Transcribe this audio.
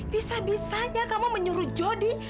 bisa bisanya kamu menyuruh jody